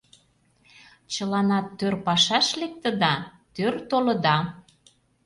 Чыланат тӧр пашаш лектыда, тӧр толыда.